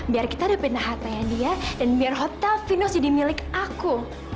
biar kita dapat dana hartanya dia dan biar hotel venus jadi milik aku